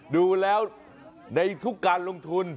ดูแล้วในทุกการลงทุน